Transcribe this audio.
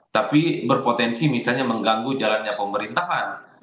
tapi berpotensi misalnya mengganggu jalannya pemerintahan